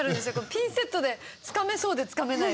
ピンセットでつかめそうでつかめないみたいな。